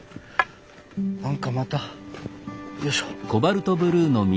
何かまたよいしょ。